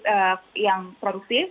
pilih yang produktif